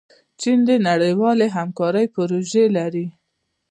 چین د نړیوالې همکارۍ پروژې لري.